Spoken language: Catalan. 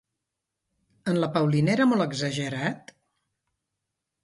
En la Paulina era molt exagerat?